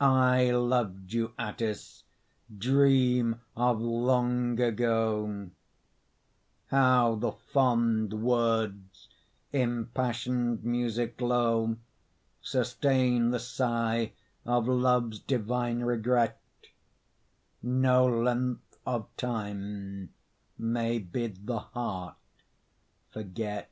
I loved you, Atthis dream of long ago How the fond words, impassioned music low, Sustain the sigh of love's divine regret No length of time may bid the heart forget.